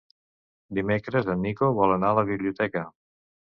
Dimecres en Nico vol anar a la biblioteca.